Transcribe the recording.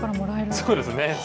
そうですね。